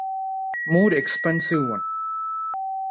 More expensive one.